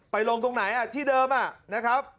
ลงตรงไหนที่เดิมนะครับ